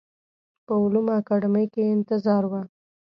په علومو اکاډمۍ کې یې انتظار و.